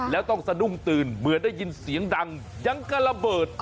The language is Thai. แล้วต้องสะดุ้งตื่นเหมือนได้ยินเสียงดังยังกระระเบิด